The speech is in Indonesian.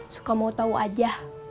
suka mau tau aja